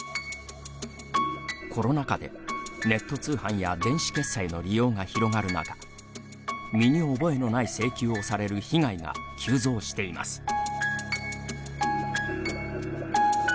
コロナ禍でネット通販や電子決済の利用が広がる中身に覚えのない請求をされる被害が急増しています。